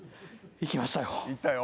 いきましたよ。